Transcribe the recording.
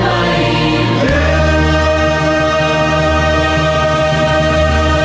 โปรดติดตามตอนต่อไป